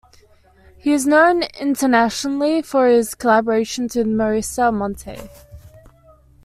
He is known internationally for his collaborations with Marisa Monte.